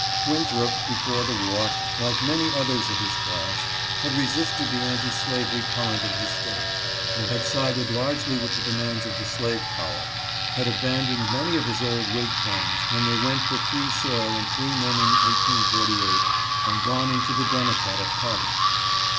Winthrop, before the war, like many others of his class, had resisted the anti slavery current of his state, had sided largely with the demands of the slave power, had abandoned many of his old Whig friends, when they went for free soil and free men in 1848, and gone into the Democratic party.